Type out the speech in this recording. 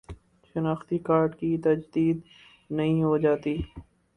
شناختی کارڈ کی تجدید نہیں ہوجاتی